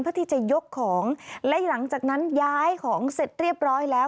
เพื่อที่จะยกของและหลังจากนั้นย้ายของเสร็จเรียบร้อยแล้ว